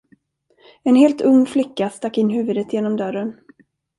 En helt ung flicka stack in huvudet genom dörren.